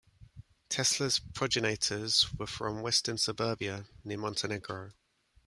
Tesla's progenitors were from western Serbia, near Montenegro.